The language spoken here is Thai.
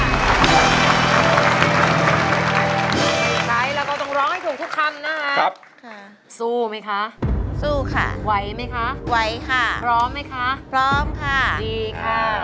สู้มั้ยคะสู้ค่ะไหวมั้ยคะไหวค่ะพร้อมมั้ยคะพร้อมค่ะดีค่ะ